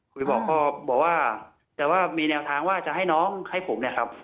บอกพ่อบอกว่าแต่ว่ามีแนวทางว่าจะให้น้องให้ผมเนี่ยครับ